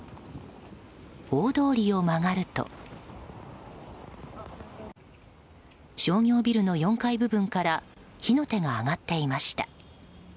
大通りを曲がると商業ビルの４階部分から火の手が上がっていました。